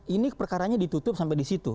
ini perkaranya ditutup sampai di situ